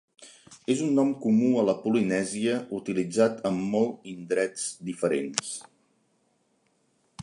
És un nom comú a la Polinèsia utilitzat en molt indrets diferents.